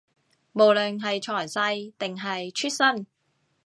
無論係財勢，定係出身